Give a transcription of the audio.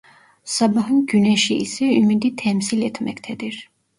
Sabahın güneşi ise ümidi temsil etmektedir.